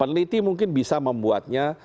peneliti mungkin bisa membuatnya